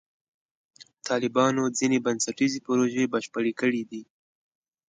طالبانو ځینې بنسټیزې پروژې بشپړې کړې دي.